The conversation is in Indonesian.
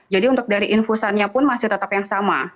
jadi untuk dari infusannya pun masih tetap yang sama